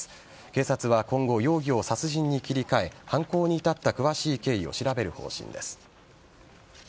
警察は今後容疑を殺人に切り替え犯行に至った詳しい経緯を調べる方針です。